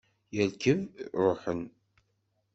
Yerkeb, ruḥen.